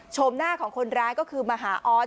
หน้าของคนร้ายก็คือมหาออส